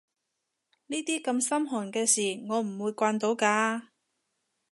呢啲咁心寒嘅事我唔會慣到㗎